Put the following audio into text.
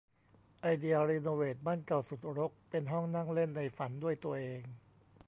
ไอเดียรีโนเวทบ้านเก่าสุดรกเป็นห้องนั่งเล่นในฝันด้วยตัวเอง